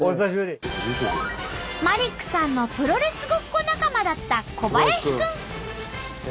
マリックさんのプロレスごっこ仲間だったコバヤシくん。